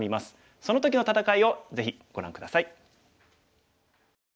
その時の戦いをぜひご覧下さい。